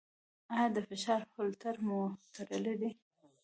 ایا د فشار هولټر مو تړلی دی؟